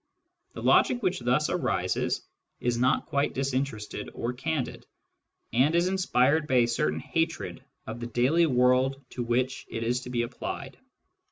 The logic which thus arises is not quite disinterested or candid, and is inspired by a certain hatred of the daily world to which it is to be applied.